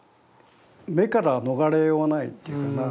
目から逃れようがないっていうかな